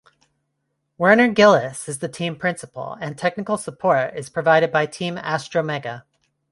Werner Gillis is the team principal, and technical support is provided by Team Astromega.